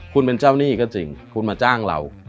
คุณเป็นเจ้าหนี้ก็จริงคุณมาจ้างเรา